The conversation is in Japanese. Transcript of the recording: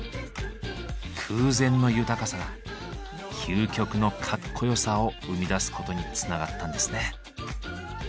空前の豊かさが究極のかっこよさを生み出すことにつながったんですね。